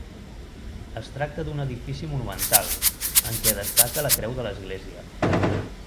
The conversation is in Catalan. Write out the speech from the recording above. Es tracta d'un edifici monumental en què destaca la creu de l'església.